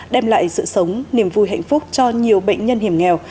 đem lại sự sống niềm vui hạnh phúc cho nhiều bệnh nhân hiểm nghèo